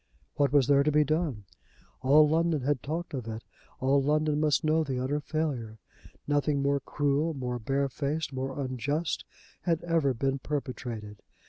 What was there to be done! All London had talked of it; all London must know the utter failure. Nothing more cruel, more barefaced, more unjust had ever been perpetrated.